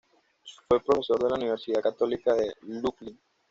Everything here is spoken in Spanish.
Fue profesor en la Universidad Católica de Lublin.